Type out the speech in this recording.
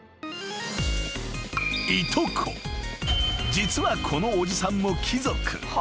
［実はこのおじさんも貴族］